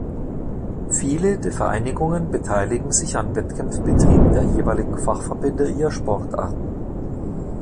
Viele der Vereinigungen beteiligen sich am Wettkampfbetrieb der jeweiligen Fachverbände ihrer Sportarten.